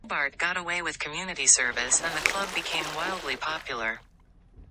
Hobart got away with community service and the club became wildly popular.